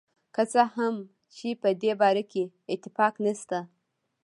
که څه هم چې په دې باره کې اتفاق نشته.